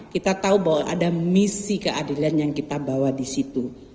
kita tahu bahwa ada misi keadilan yang kita bawa di situ